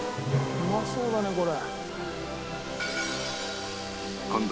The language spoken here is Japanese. うまそうだねこれ。